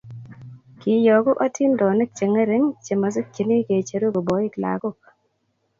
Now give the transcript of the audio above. kiiyoku atindonik che ngering che mosingchinei kecheru koboit lakok